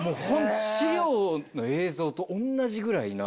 資料の映像と同じぐらいな